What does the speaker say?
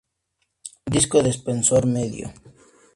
Disco de espesor medio.